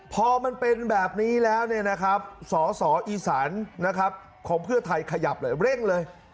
พอมันเป็นแบบนี้แล้วสอสออีสานนะครับของเพื่อไทยขยับเลยเร่งเลย